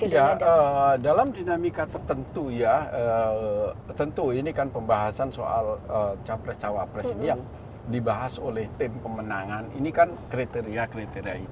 iya dalam dinamika tertentu ya tentu ini kan pembahasan soal capres cawapres ini yang dibahas oleh tim pemenangan ini kan kriteria kriteria itu